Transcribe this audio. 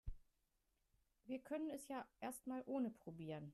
Wir können es ja erst mal ohne probieren.